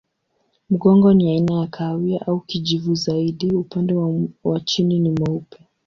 Mgongo ni aina ya kahawia au kijivu zaidi, upande wa chini ni mweupe.